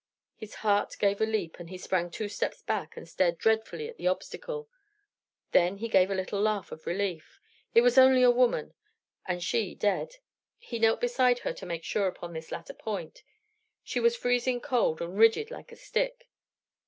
His heart gave a leap, and he sprang two steps back and stared dreadfully at the obstacle. Then he gave a little laugh of relief. It was only a woman, and she dead. He knelt beside her to make sure upon this latter point. She was freezing cold, and rigid like a stick.